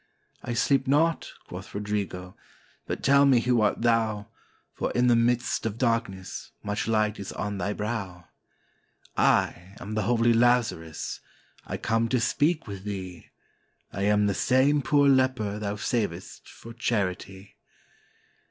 "I sleep not," quoth Rodrigo; "but tell me who art thou, For, in the midst of darkness, much light is on thy brow?" "I am the holy Lazarus, I come to speak with thee; I am the same poor leper thou savedst for charity.